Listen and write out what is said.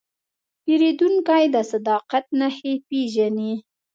پیرودونکی د صداقت نښې پېژني.